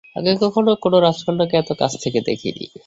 আগে কখনো কোন রাজকন্যাকে এত কাছ থেকে দেখিনি।